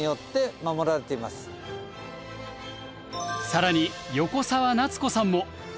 更に横澤夏子さんも。